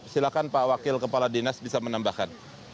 silahkan pak wakil kepala dinas bisa menambahkan